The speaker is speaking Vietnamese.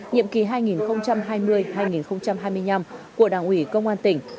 nhiệm kỳ hai nghìn hai mươi hai nghìn hai mươi năm của đảng ủy công an tỉnh